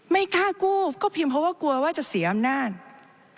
ไม่กล้ากู้ก็เพียงเพราะว่ากลัวว่าจะเสียอำนาจ